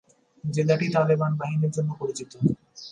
জেলাটি তালেবান বাহিনীর জন্য পরিচিত।